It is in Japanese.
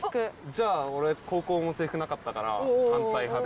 じゃあ俺高校も制服なかったから。